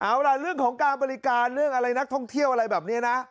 เอาล่ะเรื่องของการบริการเรื่องอะไรนักท่องเที่ยวอะไรแบบนี้นะ